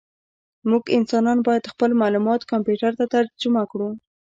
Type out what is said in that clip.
موږ انسانان باید خپل معلومات کمپیوټر ته ترجمه کړو.